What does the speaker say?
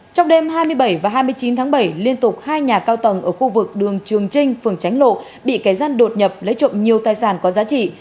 trong đêm hai mươi bảy và hai mươi chín tháng bảy liên tục hai nhà cao tầng ở khu vực đường trường trinh phường tránh lộ bị kẻ gian đột nhập lấy trộm nhiều tài sản có giá trị